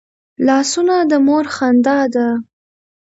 لاسونه د مور خندا ده